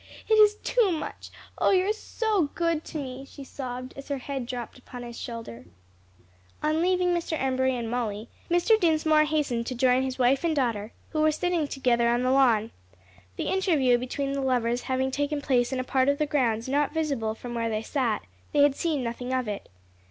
"It is too much, oh you are too good to me!" she sobbed, as her head dropped upon his shoulder. On leaving Mr. Embury and Molly, Mr. Dinsmore hastened to join his wife and daughter, who were sitting together on the lawn. The interview between the lovers having taken place in a part of the grounds not visible from where they sat, they had seen nothing of it.